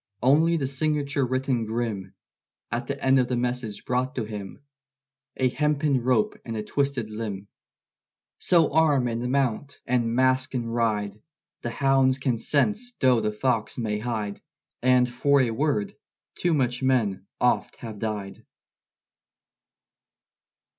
Only the signature written grim At the end of the message brought to him A hempen rope and a twisted limb. So arm and mount! and mask and ride! The hounds can sense though the fox may hide! And for a word too much men oft have died.